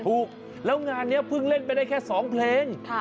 ถูกแล้วงานนี้เพิ่งเล่นไปได้แค่๒เพลง